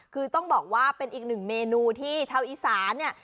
คือต้องบอกว่าเป็นอีกหนึ่งเมนูที่ชาวอีสานเนี่ย